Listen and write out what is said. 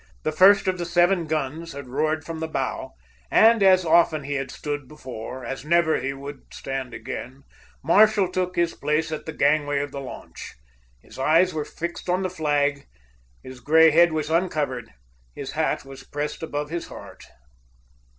The first of the seven guns had roared from the bow, and, as often he had stood before, as never he would so stand again, Marshall took his place at the gangway of the launch. His eyes were fixed on the flag, his gray head was uncovered, his hat was pressed above his heart.